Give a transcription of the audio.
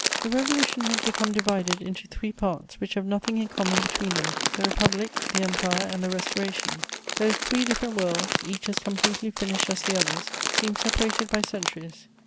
* The Revolution has become divided into three parts which have nothing in common between them: the Republic, the Empire, and the Restoration; those three different worlds, each as completely finished as the others, seem separated by centuries.